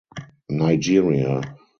Nigeria.